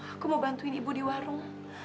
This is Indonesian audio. aku mau bantuin ibu di warung